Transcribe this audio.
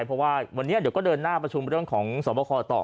เพราะว่าวันนี้เดี๋ยวก็เดินหน้าประชุมเรื่องของสวบคอต่อ